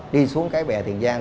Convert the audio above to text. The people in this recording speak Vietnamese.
đi xuống cái bè tiền giang